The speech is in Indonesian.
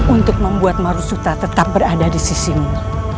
untuk membuat marusuta tetap berada di sisimu